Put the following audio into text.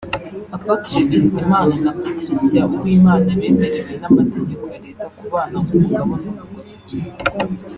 Apotre Bizimana na Patricia Uwimana bemerewe n'amategeko ya Leta kubana nk'umugabo n'umugore